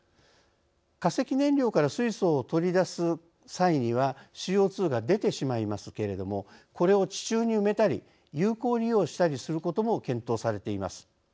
化石燃料から水素を取り出す際にはＣＯ２が出てしまいますけれどもこれを地中に埋めたり有効利用したりすることも検討されています。